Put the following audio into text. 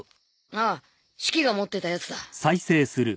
ああシキが持ってたやつだ